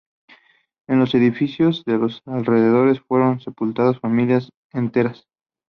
En los edificios de los alrededores fueron sepultadas familias enteras.